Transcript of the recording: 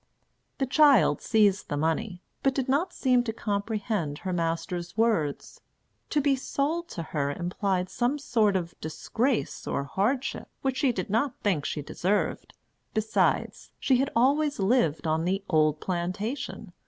The child seized the money, but did not seem to comprehend her master's words. To be sold to her implied some sort of disgrace or hardship, which she did not think she deserved; besides, she had always lived on the "old plantation."